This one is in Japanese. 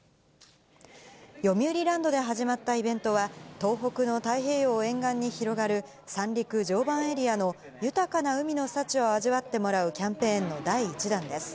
よみうりランドで始まったイベントは、東北の太平洋沿岸に広がる三陸・常磐エリアの豊かな海の幸を味わってもらうキャンペーンの第１弾です。